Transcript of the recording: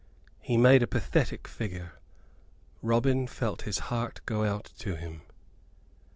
He made a pathetic figure. Robin felt his heart go out to him.